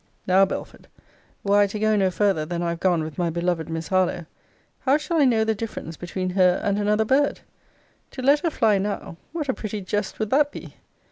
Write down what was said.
Now, Belford, were I to go no farther than I have gone with my beloved Miss Harlowe, how shall I know the difference between her and another bird? To let her fly now, what a pretty jest would that be!